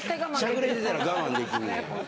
しゃくれてたら我慢できんねや。